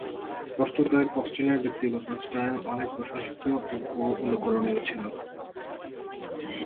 স্পষ্টতই, ফস্টিনার ব্যক্তিগত স্টাইল অনেক প্রশংসিত ও অনুকরণীয় ছিল।